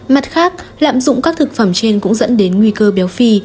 mặt khác lạm dụng các thực phẩm trên cũng dẫn đến nguy cơ béo phi